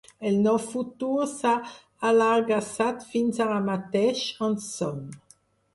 El no futur s’ha allargassat fins ara mateix, on som.